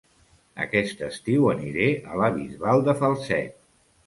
Aquest estiu aniré a La Bisbal de Falset